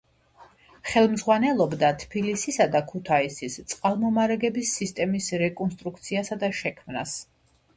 ხელმძღვანელობდა თბილისისა და ქუთაისის წყალმომარაგების სისტემის რეკონსტრუქციასა და შექმნას.